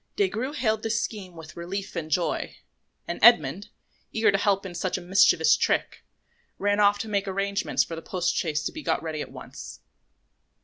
Des Grieux hailed this scheme with relief and joy; and Edmond, eager to help in such a mischievous trick, ran off to make arrangements for the post chaise to be got ready at once.